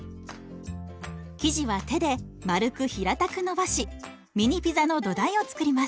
生地は手で丸く平たくのばしミニピザの土台を作ります。